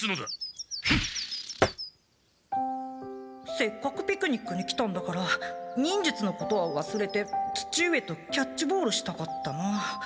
せっかくピクニックに来たんだから忍術のことはわすれて父上とキャッチボールしたかったな。